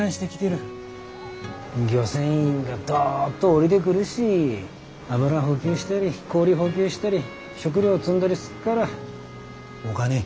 漁船員がドッと下りでくるし油補給したり氷補給したり食料積んだりすっからお金使ってくれっから。